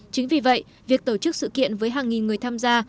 chính vì vậy việc tổ chức sự kiện với hàng nghìn người tham gia